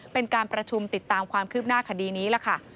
เป็นการประชุมติดตามความคืบหน้าคดีนี้ล่ะค่ะ